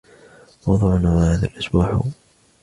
موضوعنا هذا الأسبوع هو: _____.